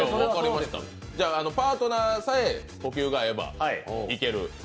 じゃあ、パートナーさえ呼吸が合えばいける？